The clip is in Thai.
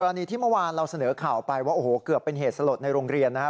อันนี้ที่เมื่อวานเราเสนอข่าวไปว่าโอ้โหเกือบเป็นเหตุสลดในโรงเรียนนะครับ